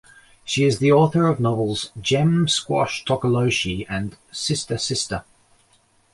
She is the author of the novels "Gem Squash Tokoloshe" and "Sister-Sister".